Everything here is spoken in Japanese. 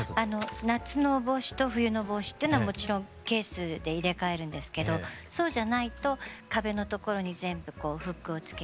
夏の帽子と冬の帽子っていうのはもちろんケースで入れ替えるんですけどそうじゃないと壁のところに全部こうフックをつけて。